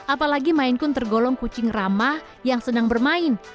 apalagi main kun tergolong kucing ramah yang senang bermain